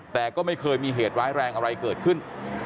แต่ก็ไม่เคยมีเหตุร้ายแรงอะไรเกิดขึ้น